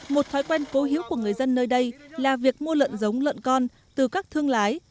một thói quen cố hiếu của người dân nơi đây là việc mua lợn giống lợn con từ các thương lái